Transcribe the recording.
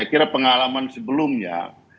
saya kira pengalaman sebelumnya